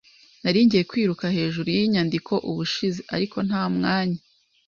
Nari ngiye kwiruka hejuru yinyandiko ubushize, ariko nta mwanya.